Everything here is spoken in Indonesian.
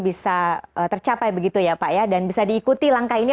bisa tercapai begitu ya pak ya dan bisa diikuti langkah ini